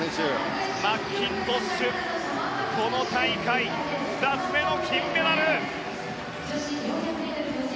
マッキントッシュこの大会、２つ目の金メダル。